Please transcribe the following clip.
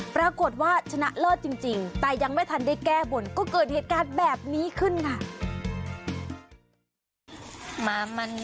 ปรากฏว่าชนะเลิศจริงแต่ยังไม่ทันได้แก้บนก็เกิดเหตุการณ์แบบนี้ขึ้นค่ะ